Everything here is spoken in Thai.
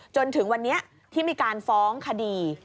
จนถึงวันนี้ที่มีการฟ้องคดี